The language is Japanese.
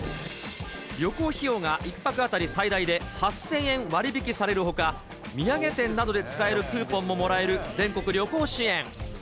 旅行費用が１泊当たり最大で８０００円割引されるほか、土産店などで使えるクーポンももらえる全国旅行支援。